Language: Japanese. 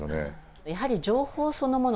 やはり情報そのもの